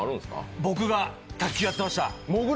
僕は卓球やってました。